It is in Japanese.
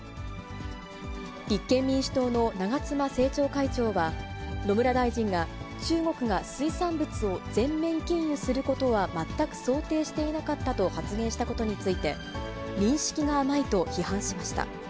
立憲民主党の長妻政調会長は、野村大臣が中国が水産物を全面禁輸することは全く想定していなかったと発言したことについて、認識が甘いと批判しました。